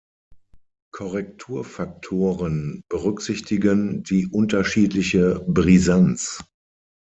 Korrekturfaktoren berücksichtigen die unterschiedliche Brisanz.